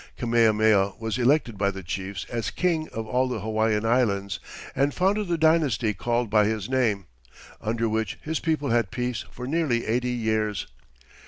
Kamehameha was elected by the chiefs as king of all the Hawaiian Islands, and founded the dynasty called by his name, under which his people had peace for nearly eighty years.